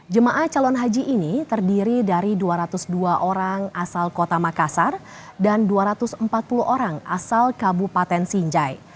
jemaah calon haji ini terdiri dari dua ratus dua orang asal kota makassar dan dua ratus empat puluh orang asal kabupaten sinjai